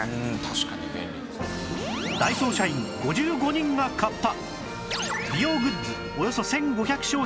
ダイソー社員５５人が買った